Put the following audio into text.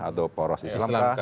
atau poros islamkah